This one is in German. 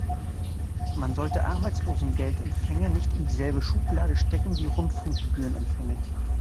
Man sollte Arbeitslosengeldempfänger nicht in dieselbe Schublade stecken wie Rundfunkgebührenempfänger.